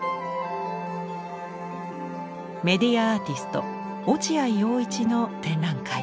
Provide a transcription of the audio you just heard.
メディアアーティスト落合陽一の展覧会。